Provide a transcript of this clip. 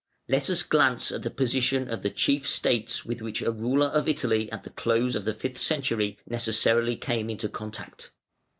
Let us glance at the position of the chief States with which a ruler of Italy at the close of the fifth century necessarily came in contact.